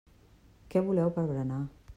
Què voleu per berenar?